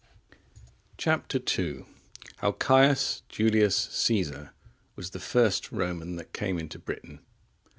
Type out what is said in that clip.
Chap. II. How Caius Julius Caesar was the first Roman that came into Britain.